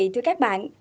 thưa các bạn